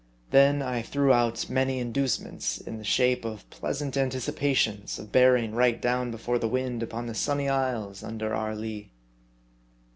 Then I threw out many inducements, in the shape of pleasant anticipations of bearing right down before the wind upon the sunny isles under our lee.